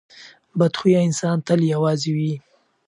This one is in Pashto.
بد خویه انسان تل یوازې وي.